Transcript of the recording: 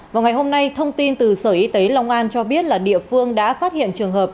vào ngày hôm nay thông tin từ sở y tế long an cho biết là địa phương đã phát hiện trường hợp